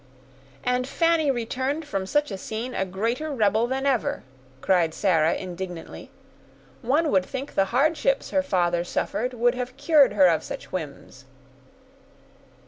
"And Fanny returned from such a scene a greater rebel than ever," cried Sarah, indignantly; "one would think the hardships her father suffered would have cured her of such whims."